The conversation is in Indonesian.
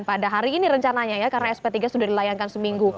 pada hari ini rencananya ya karena sp tiga sudah dilayangkan seminggu